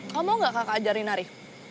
kamu mau gak kakak ajarin nari